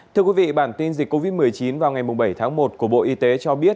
thưa quý vị bản tin dịch covid một mươi chín vào ngày bảy tháng một của bộ y tế cho biết